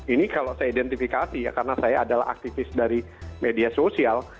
ini kalau saya identifikasi ya karena saya adalah aktivis dari media sosial